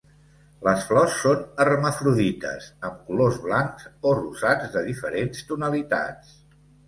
Les flors són hermafrodites, amb colors blancs, o rosats de diferents tonalitats.